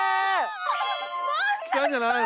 きたんじゃないの？